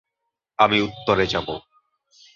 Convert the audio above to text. আমি উত্তরে যাব।